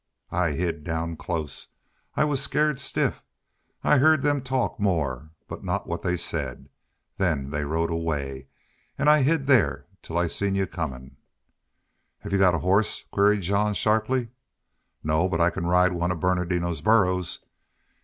I hid down close. I was skeered stiff. I heerd them talk more, but not what they said. Then they rode away.... An' I hid there till I seen y'u comin'." "Have you got a horse?" queried Jean, sharply. "No. But I can ride one of Bernardino's burros."